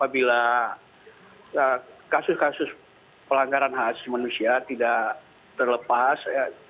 bila kasus kasus pelanggaran hak asasi manusia tidak terlepas